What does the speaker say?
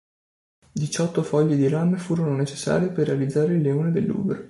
Diciotto fogli di rame furono necessari per realizzare il leone del Louvre.